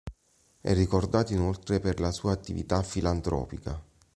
È ricordato inoltre per la sua attività filantropica.